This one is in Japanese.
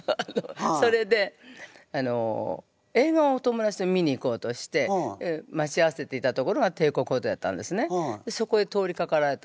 それであの映画をお友達と見に行こうとして待ち合わせていた所が帝国ホテルだったんですね。